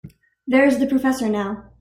There's the professor now.